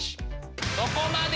そこまで！